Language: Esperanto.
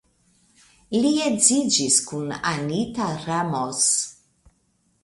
Li edziĝis kun Anita Ramos.